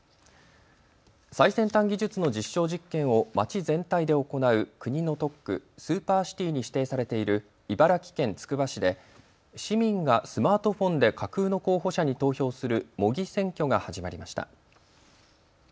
最先端技術の実証実験を街全体で行う国の特区、スーパーシティに指定されている茨城県つくば市で市民がスマートフォンで架空の候補者に投票する模擬選挙が始まりました。